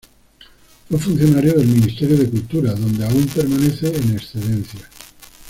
Fue funcionario del Ministerio de Cultura, donde aún permanece en excedencia.